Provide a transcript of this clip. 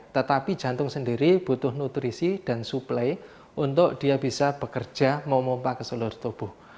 tetapi jantung sendiri butuh nutrisi dan suplai untuk dia bisa bekerja memompak ke seluruh tubuh